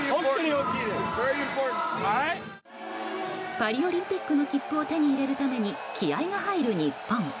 パリオリンピックの切符を手に入れるために気合が入る日本。